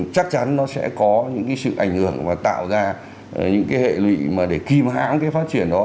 chắc chắn nó sẽ có những cái sự ảnh hưởng và tạo ra những cái hệ lụy mà để kim hãng cái phát triển đó